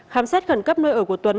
khám xét khẩn cấp nơi ở của tuấn